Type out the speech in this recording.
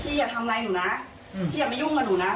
พี่อย่านำใดหนูนะพี่อย่ามายุ่งกับหนูนะ